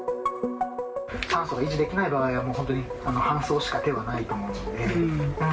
酸素が維持できない場合は、もう本当に搬送しか手はないと思うんで。